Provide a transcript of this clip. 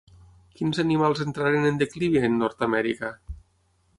Quins animals entraren en declivi en Nord-amèrica?